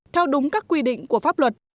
theo đúng các quy định của pháp luật